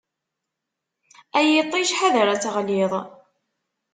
Ay iṭṭij ḥader ad teɣliḍ.